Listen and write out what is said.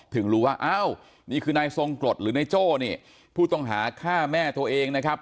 ถึงรู้ว่าอ้าวนี่คือนายทรงกรดหรือนายโจ้เนี่ยผู้ต้องหาฆ่าแม่ตัวเองนะครับ